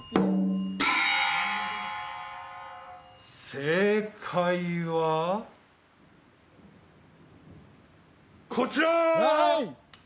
正解はこちら！